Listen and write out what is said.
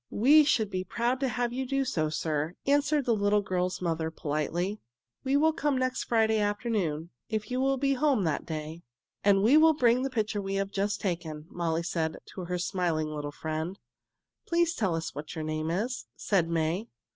"We should be proud to have you do so, sir," answered the little girl's mother politely. "We will come next Friday afternoon, if you will be at home that day." "And we will bring the picture we have just taken," Molly said to her smiling little friend. "Please tell us what your name is," said May.